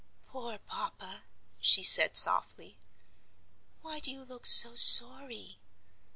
"Poor papa!" she said, softly. "Why do you look so sorry?